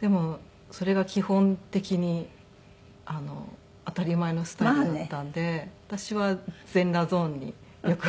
でもそれが基本的に当たり前のスタイルだったんで私は全裸ゾーンによく入っていました。